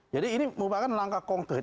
jadi ini merupakan langkah konkret